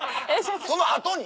その後に？